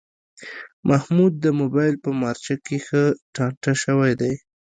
محمود د مبایل په مارچه کې ښه ټانټه شوی دی.